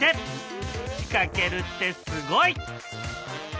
仕掛けるってすごい！